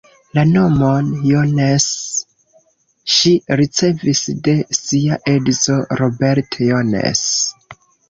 La nomon „Jones“ ŝi ricevis de sia edzo Robert Jones.